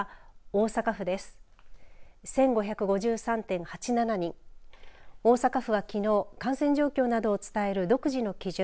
大阪府はきのう感染状況などを伝える独自の基準